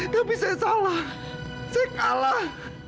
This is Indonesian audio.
tapi saya salah saya kalah